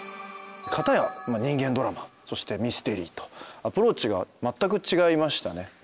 片や人間ドラマそしてミステリーとアプローチがまったく違いましたね。